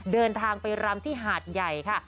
เดินทางไปรำที่หาดใหญ่ค่ะ